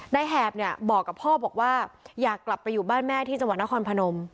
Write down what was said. แหบเนี่ยบอกกับพ่อบอกว่าอยากกลับไปอยู่บ้านแม่ที่จังหวัดนครพนม